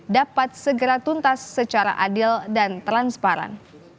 dapat segera tuntas secara adil dan transparan